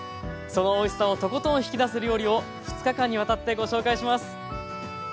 そのおいしさをとことん引き出す料理を２日間にわたってご紹介します。